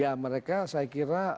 ya mereka saya kira